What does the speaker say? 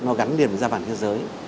nó gắn liền với gia vàng thế giới